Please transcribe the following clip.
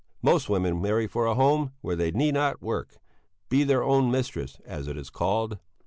Most women marry for a home where they need not work be their own mistress, as it is called.